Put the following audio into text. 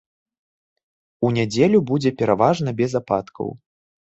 У нядзелю будзе пераважна без ападкаў.